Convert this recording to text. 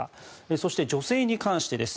そして、女性に関してです。